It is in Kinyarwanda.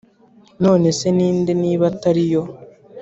none se ni nde niba atari yo’